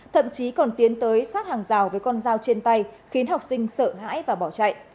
thậm chí còn tiến tới sát hàng rào với con dao trên tay khiến học sinh sợ hãi và bỏ chạy